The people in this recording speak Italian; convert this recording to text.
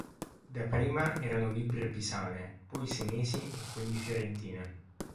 Da prima erano libbre pisane, poi senesi e quindi fiorentine.